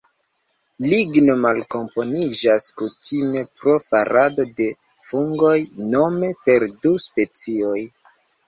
Ligno malkomponiĝas kutime pro farado de fungoj, nome per du specioj.